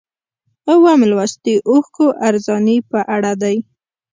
اووم لوست د اوښکو ارزاني په اړه دی.